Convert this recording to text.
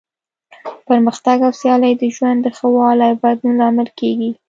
پرمختګ او سیالي د ژوند د ښه والي او بدلون لامل کیږي.